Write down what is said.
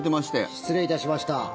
失礼いたしました。